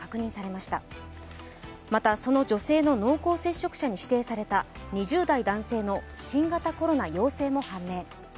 また、その女性の濃厚接触者に指定された２０代男性の新型コロナ陽性も判明。